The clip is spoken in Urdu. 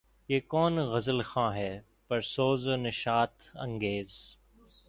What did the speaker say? یہ کون غزل خواں ہے پرسوز و نشاط انگیز